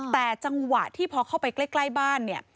แต่จังหวะที่พอเข้าไปใกล้บ้านเนี่ย